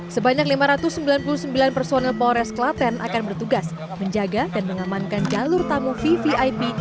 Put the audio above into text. sebanyak lima ratus sembilan puluh sembilan personel polres klaten akan bertugas menjaga dan mengamankan jalur tamu vvip